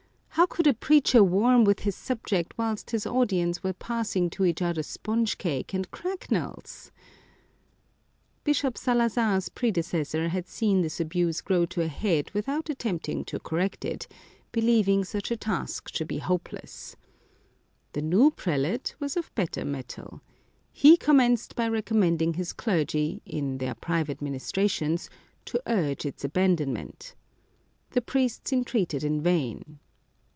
How could a preacher warm with his subject whilst his audi ence were passing to each other sponge cake and cracknels ? Bishop Salazar's predecessor had seen this abuse grow to a head without attempting to correct it, believing such a task to be hopeless. The new prelate was of better metal. He commenced by recommending his clergy, in their private ministra tions, to urge its abandonment. The priests en treated in vain.